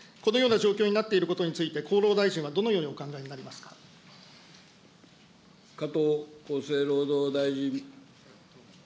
このような状況になっていることについて、厚労大臣はどのように加藤厚生労働大臣。